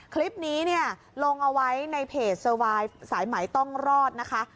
คลิปนี้เนี่ยลงเอาไว้ในเพจสวายสายไหมต้องรอดนะคะ